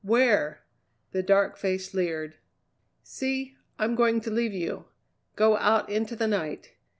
Where?" The dark face leered. "See! I'm going to leave you. Go out into the night.